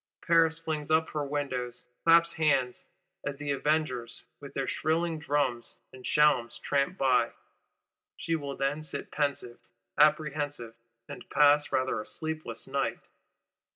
Paris flings up her windows, claps hands, as the Avengers, with their shrilling drums and shalms tramp by; she will then sit pensive, apprehensive, and pass rather a sleepless night.